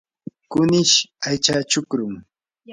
kunish aycha chukrum.